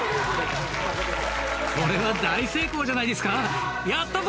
これは大成功じゃないですか？